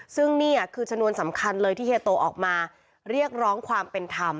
ซึ่งนี่คือชนวนสำคัญเลยที่เฮียโตออกมาเรียกร้องความเป็นธรรม